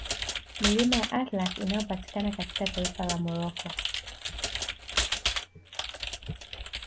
Milima ya Atlas inayopatikana katika taifa la Morocco